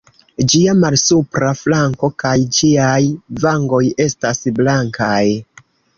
Ĝia malsupra flanko kaj ĝiaj vangoj estas blankaj.